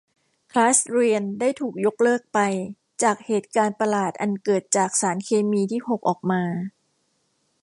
คลาสเรียนได้ถูกยกเลิกไป จากเหตุการณ์ประหลาดอันเกิดจากสารเคมีที่หกออกมา